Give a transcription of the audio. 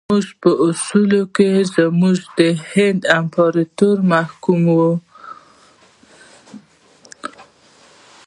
موږ په اصولو کې زموږ د هند امپراطوري محکوموو.